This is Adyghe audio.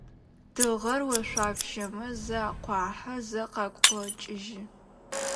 Тыгъэр ошъуапщэмэ зэ акъуахьэ, зэ къакъокӏыжьы.